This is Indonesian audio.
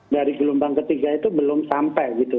dari gelombang ketiga itu belum sampai gitu